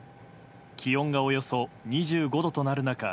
気温がおよそ２５度となる中